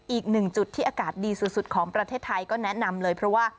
อีกหนึ่งจุดที่อากาศดีสุดของประเทศไทยก็แนะนำเลยเพราะว่า